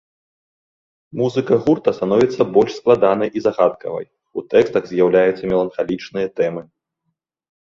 Музыка гурта становіцца больш складанай і загадкавай, у тэкстах з'яўляюцца меланхалічныя тэмы.